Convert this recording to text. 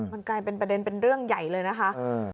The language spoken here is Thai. มันกลายเป็นประเด็นเป็นเรื่องใหญ่เลยนะคะ